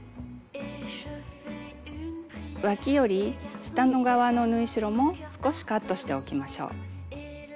わきより下の側の縫い代も少しカットしておきましょう。